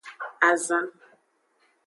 Azan.